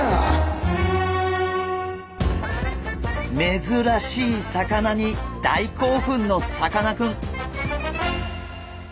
めずらしい魚に大興奮のさかなクン。